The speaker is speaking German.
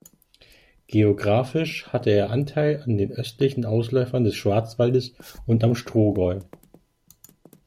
Geografisch hatte er Anteil an den östlichen Ausläufern des Schwarzwalds und am Strohgäu.